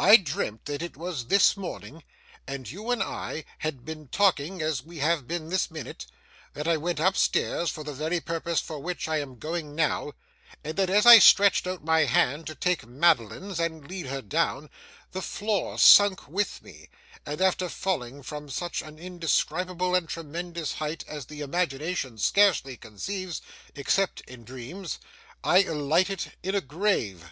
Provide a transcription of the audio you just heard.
I dreamt that it was this morning, and you and I had been talking as we have been this minute; that I went upstairs, for the very purpose for which I am going now; and that as I stretched out my hand to take Madeline's, and lead her down, the floor sunk with me, and after falling from such an indescribable and tremendous height as the imagination scarcely conceives, except in dreams, I alighted in a grave.